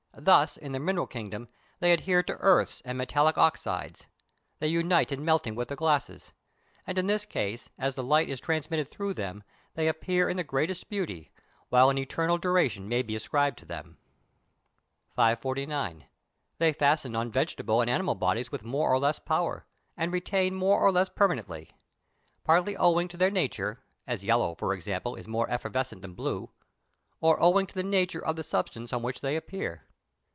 Thus, in the mineral kingdom they adhere to earths and metallic oxydes; they unite in melting with glasses; and in this case, as the light is transmitted through them, they appear in the greatest beauty, while an eternal duration may be ascribed to them. 549. They fasten on vegetable and animal bodies with more or less power, and remain more or less permanently; partly owing to their nature, as yellow, for instance, is more evanescent than blue, or owing to the nature of the substance on which they appear.